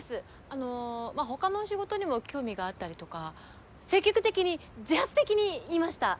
あのまあ他の仕事にも興味があったりとか積極的に自発的に言いました！